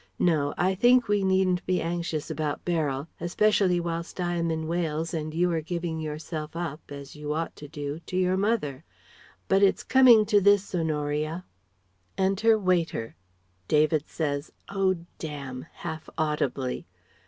No. I think we needn't be anxious about Beryl, especially whilst I am in Wales and you are giving yourself up as you ought to do to your mother. But it's coming to this, Honoria " (Enter waiter. David says "Oh, damn," half audibly.